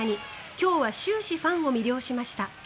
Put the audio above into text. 今日は終始ファンを魅了しました。